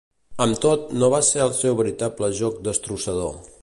Amb tot, no va ser el seu veritable joc destrossador.